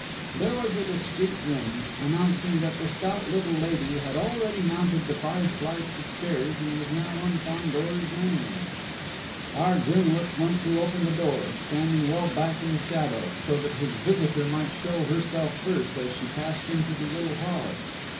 There was a discreet ring, announcing that the stout little lady had already mounted the five flights of stairs and was now on Fandor's landing. Our journalist went to open the door, standing well back in the shadow, so that his visitor might show herself first, as she passed into the little hall.